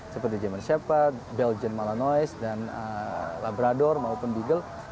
seperti german shepherd belgian molonoise dan labrador maupun beagle